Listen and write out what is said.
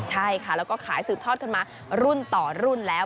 ใช่ค่ะแล้วก็ขายสืบทอดกันมารุ่นต่อรุ่นแล้ว